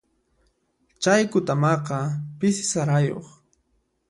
Chay kutamaqa pisi sarayuq.